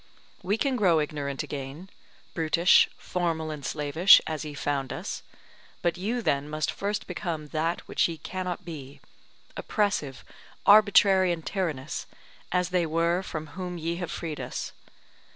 We can grow ignorant again, brutish, formal and slavish, as ye found us; but you then must first become that which ye cannot be, oppressive, arbitrary and tyrannous, as they were from whom ye have freed us.